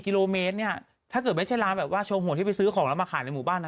กิโลเมตรเนี่ยถ้าเกิดไม่ใช่ร้านแบบว่าโชว์หัวที่ไปซื้อของแล้วมาขายในหมู่บ้านนะ